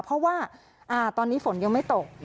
เพราะว่าตอนนี้ฝนยังไม่ตก